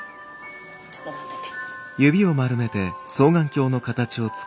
ちょっと待ってて。